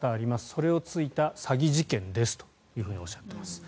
それを突いた詐欺事件ですとおっしゃっています。